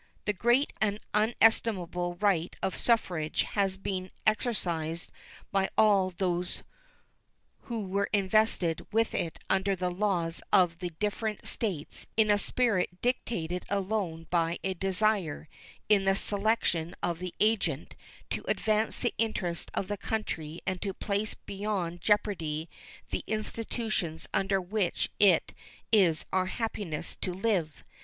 The great and inestimable right of suffrage has been exercised by all who were invested with it under the laws of the different States in a spirit dictated alone by a desire, in the selection of the agent, to advance the interests of the country and to place beyond jeopardy the institutions under which it is our happiness to live.